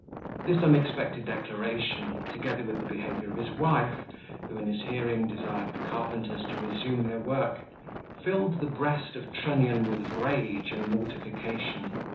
This unexpected declaration, together with the behaviour of his wife, who in his hearing desired the carpenters to resume their work, filled the breast of Trunnion with rage and mortification.